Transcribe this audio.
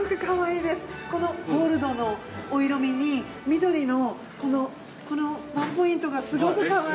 このゴールドのお色みに緑のこのこのワンポイントがすごくかわいい。